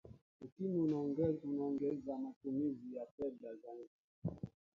ukimwi unaongeza matumizi ya fedha za nchi